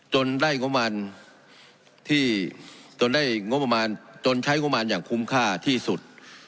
จนได้งบมานที่จนได้งบมานจนใช้งบมานอย่างคุ้มค่าที่สุด